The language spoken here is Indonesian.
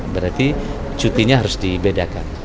berarti cutinya harus dibedakan